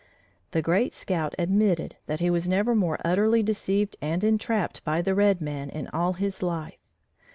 The great scout admitted that he was never more utterly deceived and entrapped by the red man in all his life.